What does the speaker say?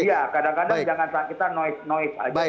iya kadang kadang jangan kita noise noise aja